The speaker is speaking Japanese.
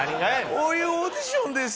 こういうオーディションです。